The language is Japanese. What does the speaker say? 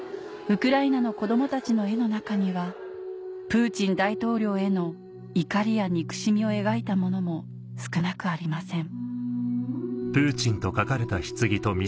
ウクライナの子どもたちの絵の中にはプーチン大統領への怒りや憎しみを描いたものも少なくありません